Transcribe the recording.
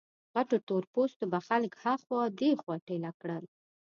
غټو تور پوستو به خلک ها خوا دې خوا ټېله کړل.